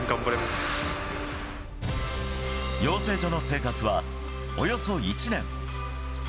養成所の生活はおよそ１年。